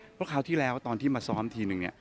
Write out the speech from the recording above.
เพราะคราวที่แล้วตอนที่มาซ้อมทีนึงเนี่ย